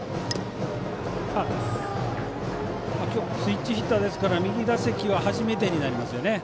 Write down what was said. スイッチヒッターですから右打席は初めてになりますよね。